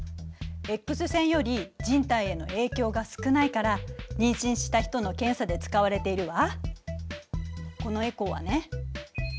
Ｘ線より人体への影響が少ないから妊娠した人の検査で使われているわ。